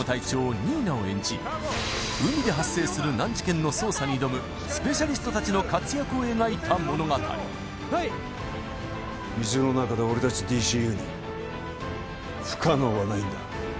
新名を演じ海で発生する難事件の捜査に挑むスペシャリストたちの活躍を描いた物語水の中で俺たちＤＣＵに不可能はないんだ